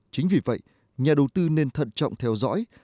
chính vì vậy nhà đầu tư nên thận trọng theo dõi